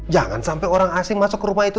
jangan sampai orang asing masuk ke rumah itu